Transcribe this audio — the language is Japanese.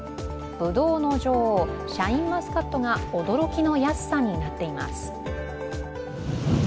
ぶどうの女王、シャインマスカットが驚きの安さになっています。